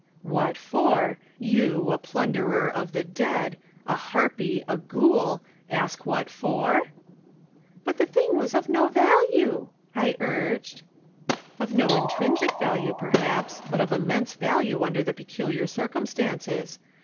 "'What for? You, a plunderer of the dead, a harpy, a ghoul, ask what for?' "'But the thing was of no value!' I urged. "'Of no intrinsic value, perhaps, but of immense value under the peculiar circumstances.